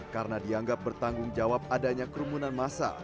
karena dianggap bertanggung jawab adanya kerumunan massa